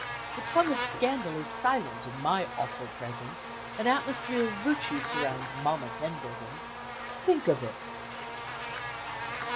The tongue of scandal is silent in my awful presence; an atmosphere of virtue surrounds Mamma Tenbruggen. Think of it."